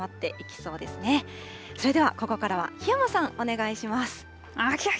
それではここからは檜山さん、お願いします。